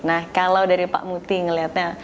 nah kalau dari pak mukti melihatnya